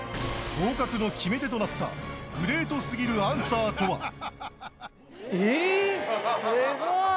合格の決め手となったグレート過ぎるアンサーとは？